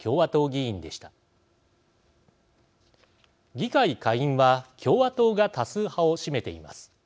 議会下院は共和党が多数派を占めています。